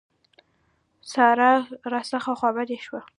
سارا راڅخه خوابدې شوه.